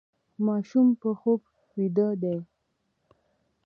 ماشوم په خوب ویده دی.